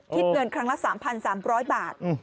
คิดเงินครั้งละ๓๓๐๐บาท